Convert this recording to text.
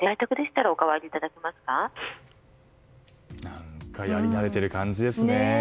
何かやりなれている感じですね。